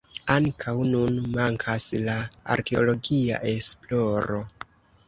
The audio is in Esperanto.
Ankaŭ nun mankas la arkeologia esploro.